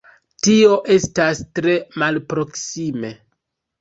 Tio estas tre malproksime.